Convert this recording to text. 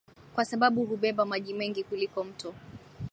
kwa sababu hubeba maji mengi kuliko Mto